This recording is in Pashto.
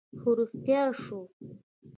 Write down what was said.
خو رښتيا شو